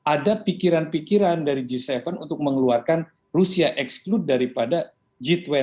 ada pikiran pikiran dari g tujuh untuk mengeluarkan rusia exclude daripada g dua puluh